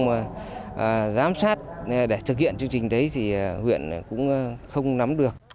mà giám sát để thực hiện chương trình đấy thì huyện cũng không nắm được